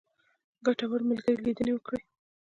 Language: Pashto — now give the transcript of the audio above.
ګټورو ملګرو لیدنې ولرئ.